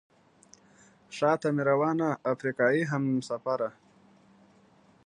شاته مې روانه افریقایي همسفره.